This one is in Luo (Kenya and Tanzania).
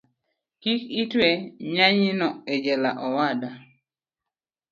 Kik itwe nyanyino ejela owada